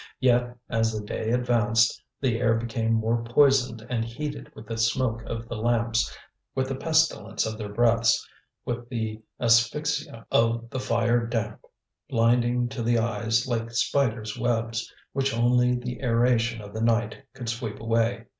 Yet, as the day advanced, the air became more poisoned and heated with the smoke of the lamps, with the pestilence of their breaths, with the asphyxia of the fire damp blinding to the eyes like spiders' webs which only the aeration of the night could sweep away.